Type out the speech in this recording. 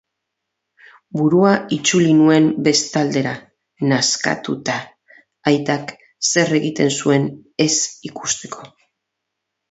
Burua itzuli nuen bestaldera, nazkatuta, aitak zer egiten zuen ez ikusteko.